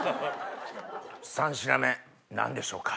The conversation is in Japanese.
３品目何でしょうか？